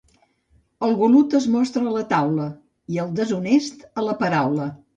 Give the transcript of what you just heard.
El golut es mostra a la taula, i el deshonest a la paraula.